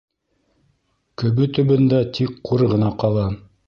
Көбө төбөндә тик ҡур ғына ҡала...